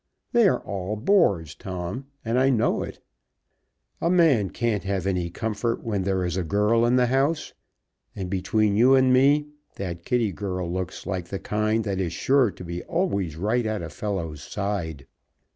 They are all bores, Tom, and I know it. A man can't have any comfort when there is a girl in the house. And between you and me that Kitty girl looks like the kind that is sure to be always right at a fellow's side.